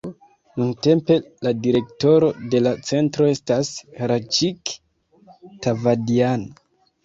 Nuntempe la direktoro de la centro estas Hraĉik Tavadjan.